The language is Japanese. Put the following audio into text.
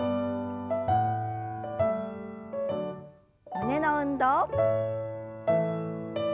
胸の運動。